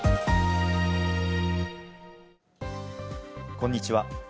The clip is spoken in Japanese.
こんにちは。